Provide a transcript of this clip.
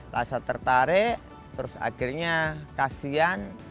rasa tertarik terus akhirnya kasian